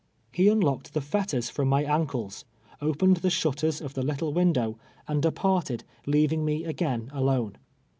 lie unlocked tlie fetters from nij ankles, opened'tlie shutters of tlie little window, and departed, leaving me again alone.